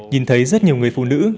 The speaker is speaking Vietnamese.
nhìn thấy rất nhiều người phụ nữ